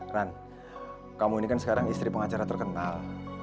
ran kamu ini kan sekarang istri pengacara terkenal